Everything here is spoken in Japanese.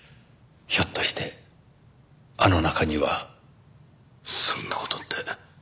ひょっとしてあの中には。そんな事って。